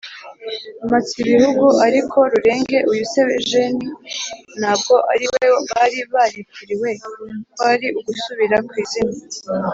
mhatsibihugu. ariko rurenge uyu se wa jeni, ntabwo ariwe bari baritiriwe. kwari ugusubira ku izina